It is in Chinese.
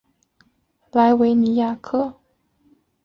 莱维尼亚克。